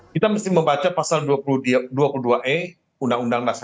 kita mesti membaca pasal dua puluh dua e undang undang dasar